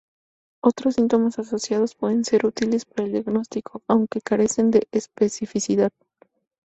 Otros síntomas asociados pueden ser útiles para el diagnóstico, aunque carecen de especificidad.